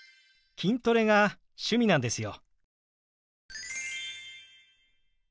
筋トレが趣味なんですよ。